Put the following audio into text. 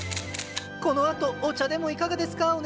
このあとお茶でもいかがですか？